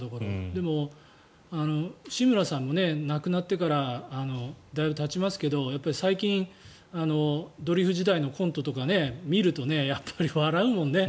でも、志村さんも亡くなってからだいぶたちますけど最近、ドリフ時代のコントとか見るとやっぱり笑うもんね。